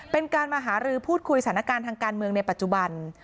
เป็นการมาหารือพูดคุยสถานการณ์ทางการเมืองในปัจจุบัน